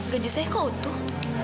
gajah saya kok utuh